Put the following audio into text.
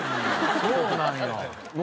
そうなんや。